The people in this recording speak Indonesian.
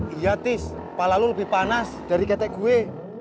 iya tis palalu lebih panas dari ketek gue